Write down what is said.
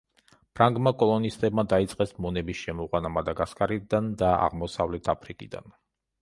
ფრანგმა კოლონისტებმა დაიწყეს მონების შემოყვანა მადაგასკარიდან და აღმოსავლეთ აფრიკიდან.